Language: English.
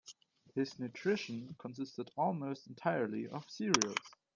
His nutrition consisted almost entirely of cereals.